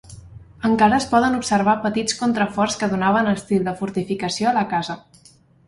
Encara es poden observar petits contraforts que donaven estil de fortificació a la casa.